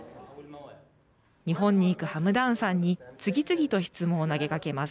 日本に行くハムダーンさんに次々と質問を投げかけます。